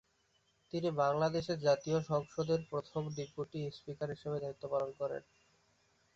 তিনি বাংলাদেশের জাতীয় সংসদের প্রথম ডেপুটি স্পিকার হিসাবে দায়িত্ব পালন করেন।